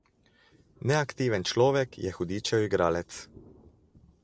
Neaktiven človek je hudičev igralec.